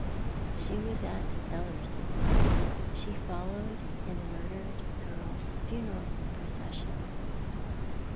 She was at Ellerslie. She followed in the murdered girl's funeral procession.